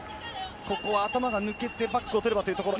ここは頭が抜けてバックを取ればというところ。